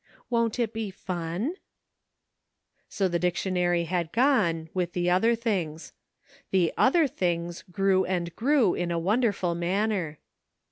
Won't it be fun ?" So the dictionary had gone, with the other things. The "other things" grew and grew, in a wonderful manner.